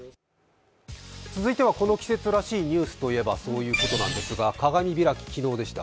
続いてはこの季節らしいニュースと言えばそういうことなんですが、鏡開き、昨日でした。